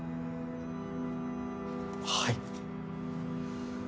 はい。